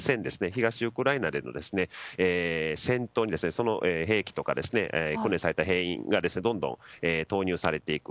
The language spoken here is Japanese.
東ウクライナでの戦闘にその兵器や訓練された兵員がどんどん投入されていく。